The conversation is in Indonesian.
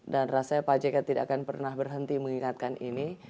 dan rasanya pak jk tidak akan pernah berhenti mengingatkan ini